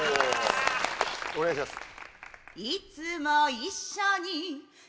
お願いします